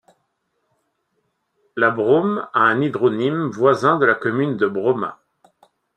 La Bromme a un hydronyme voisin de la commune de Brommat.